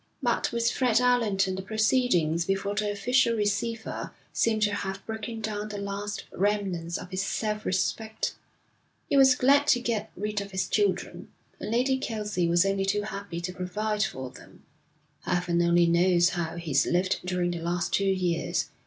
But with Fred Allerton the proceedings before the Official Receiver seem to have broken down the last remnants of his self respect. He was glad to get rid of his children, and Lady Kelsey was only too happy to provide for them. Heaven only knows how he's lived during the last two years.